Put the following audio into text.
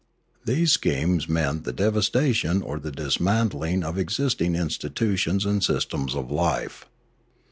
These schemes meant the devastation or the dismantling of existing institu tions and systems of life.